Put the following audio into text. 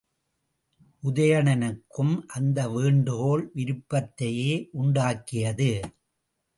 உதயணனுக்கும் அந்த வேண்டுகோள் விருப்பத்தையே உண்டாக்கியது.